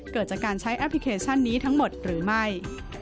เกิดจากการใช้แอปพลิเคชันนี้ทั้งหมดหรือไม่